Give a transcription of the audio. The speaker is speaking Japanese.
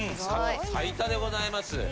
過去最多でございます。